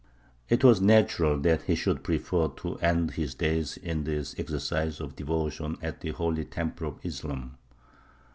It was natural that he should prefer to end his days in the exercise of devotion at the holy temple of Islam.